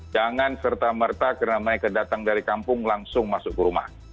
jangan serta merta karena mereka datang dari kampung langsung masuk ke rumah